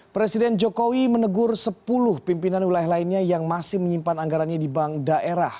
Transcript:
presiden jokowi menegur sepuluh pimpinan wilayah lainnya yang masih menyimpan anggarannya di bank daerah